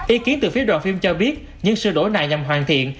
ý kiến từ phía đoàn phim cho biết những sửa đổi này nhằm hoàn thiện